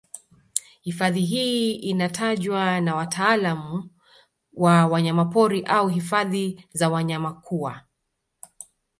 Hifadhi hii inatajwa na wataalamu wa wanyapori au hifadhi za wanyama kuwa